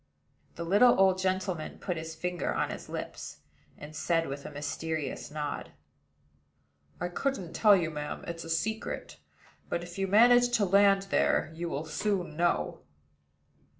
The little old gentleman put his finger on his lips, and said, with a mysterious nod: "I couldn't tell you, ma'am. It's a secret; but, if you manage to land there, you will soon know."